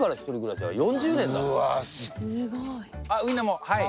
あっウィンナーもはい。